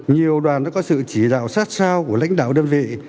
nhiều đoàn đã có sự chỉ đạo sát sao của lãnh đạo đơn vị